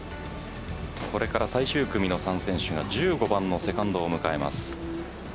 これから最終組３選手が１５番のセカンドを迎えます。